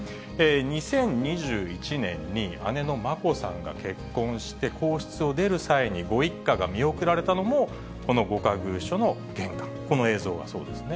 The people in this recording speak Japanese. ２０２１年に、姉の眞子さんが結婚して、皇室を出る際にご一家が見送られたのも、この御仮寓所の玄関、この映像がそうですね。